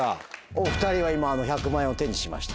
お２人は今あの１００万円を手にしました。